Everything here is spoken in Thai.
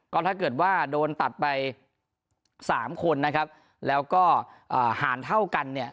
ก็ถ้าเกิดว่าโดนตัดไปสามคนนะครับแล้วก็หารเท่ากันเนี่ย